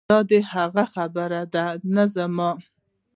دا د هغه خبرې دي نه زما.